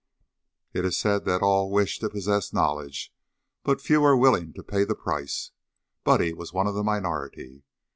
It is said that all wish to possess knowledge, but few are willing to pay the price. Buddy was one of the minority.